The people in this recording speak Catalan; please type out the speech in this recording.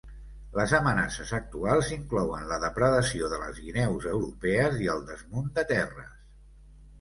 Les amenaces actuals inclouen la depredació de les guineus europees i el desmunt de terres.